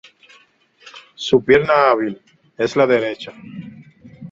Su pierna hábil es la derecha.